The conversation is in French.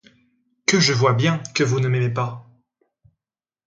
Que je vois bien que vous ne m'aimez pas!